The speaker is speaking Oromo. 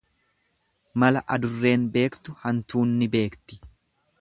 Mala adurreen beektu hantuunni beekti.